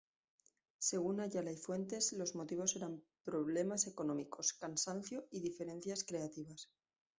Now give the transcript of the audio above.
Según Ayala y Fuentes, los motivos eran problemas económicos, cansancio y diferencias creativas.